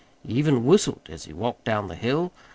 He even whistled as he walked down the hill.